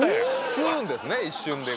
吸うんですね一瞬で。